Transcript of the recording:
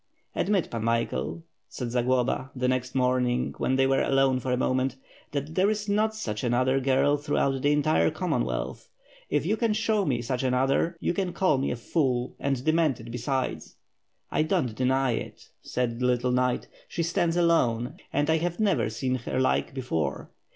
"Admit, Pan Michael," said Zagloba, the next morning when they were alone for a moment, "that there is not such another giri throughout the entire Commonwealth. If you can show me such another, you can call me a fool, and demented besides/' "I don't deny it," said the little knight. "She stands alone, and I have never seen her like before.